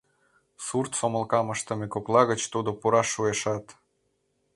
Сурт сомылкам ыштыме кокла гыч тудо пураш шуэшат.